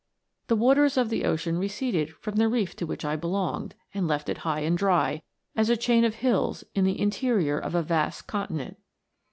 The waters of the ocean receded from the reef to which I belonged, and left it high and dry, as a chain of hills in the interior of a vast continent.